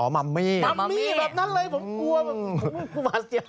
อ๋อมัมมี่มัมมี่แบบนั้นเลยผมกลัวผมกลัวมาเสีย